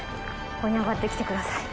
ここに上がってきてください。